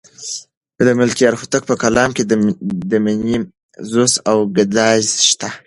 د ملکیار هوتک په کلام کې د مینې سوز او ګداز شته.